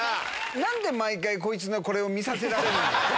なんで毎回、こいつのこれを見させられるの。